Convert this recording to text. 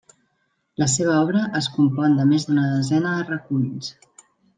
La seva obra es compon de més d'una desena de reculls.